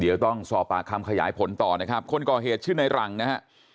เดี๋ยวต้องสอบปากคำขยายผลต่อนะครับคนก่อเหตุชื่อในหลังนะฮะ